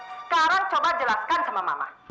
sekarang coba jelaskan sama mama